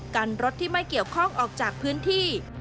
กันรถที่ไม่เกี่ยวข้องออกจากพื้นที่